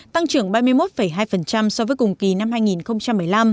tăng trưởng ba mươi một hai so với cùng kỳ năm hai nghìn một mươi năm